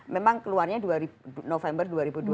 memang keluarnya november dua ribu dua puluh